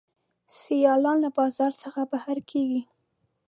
سیالان له بازار څخه بهر کیږي.